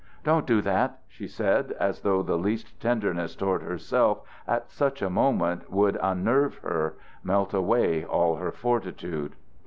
"Don't do that," she said, as though the least tenderness toward herself at such a moment would unnerve her, melt away all her fortitude.